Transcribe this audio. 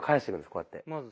こうやって。